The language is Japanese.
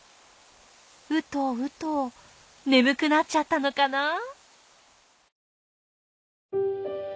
うとうと眠くなっちゃったのかな？